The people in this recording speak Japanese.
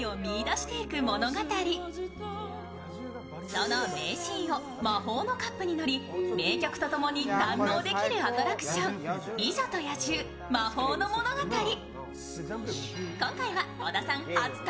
その名シーンを魔法のカップに乗り、名曲とともに堪能できるアトラクション、「美女と野獣“魔法ものがたり”」。